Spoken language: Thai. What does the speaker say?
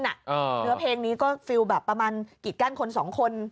เนื้อเพลงนี้ก็ฟิลแบบประมาณกิดกั้นคนสองคน